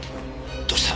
どうした？